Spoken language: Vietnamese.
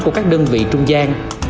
của các đơn vị trung gian